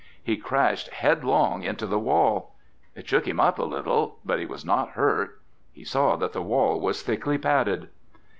He crashed headlong into the wall. It shook him up a little, but he was not hurt. He saw that the wall was thickly padded.